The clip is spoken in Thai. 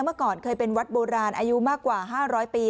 เมื่อก่อนเคยเป็นวัดโบราณอายุมากกว่า๕๐๐ปี